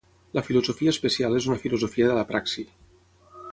La filosofia especial és una filosofia de la praxi.